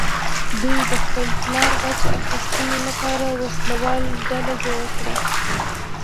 دوی د خپل پلار غچ اخیستنې لپاره وسله واله ډله جوړه کړه.